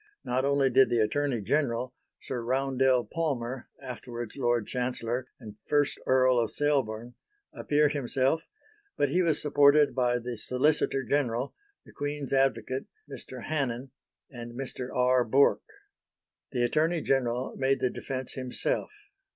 Not only did the Attorney General, Sir Roundell Palmer (afterwards Lord Chancellor and First Earl of Selborne) appear himself, but he was supported by the Solicitor General, the Queen's Advocate, Mr. Hannen and Mr. R. Bourke. The Attorney General made the defence himself.